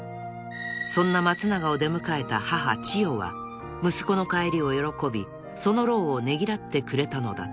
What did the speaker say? ［そんな松永を出迎えた母ちよは息子の帰りを喜びその労をねぎらってくれたのだった］